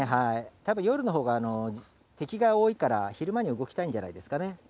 たぶん、夜のほうが敵が多いから、昼間に動きたいんじゃないですかね。